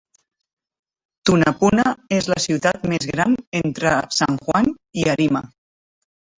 Tunapuna és la ciutat més gran entre San Juan i Arima.